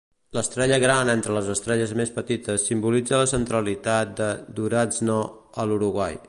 L'estrella gran entre les estrelles més petites simbolitza la centralitat de Durazno a l'Uruguai.